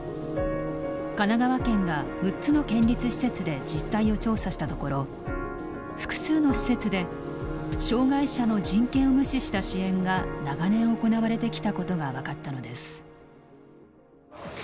神奈川県が６つの県立施設で実態を調査したところ複数の施設で障害者の人権を無視した支援が長年行われてきたことが分かったのです。